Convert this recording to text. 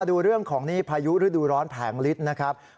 ดูเรื่องของนี่พายุฤดูร้อนแผงลิดนะครับ